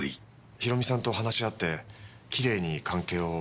博美さんと話し合ってきれいに関係を終わらせた。